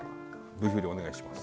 Ｖ振りお願いします。